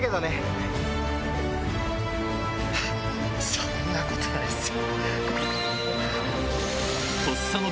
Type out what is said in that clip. そんなことないっすよ。